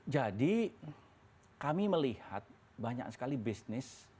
jadi kami melihat banyak sekali bisnis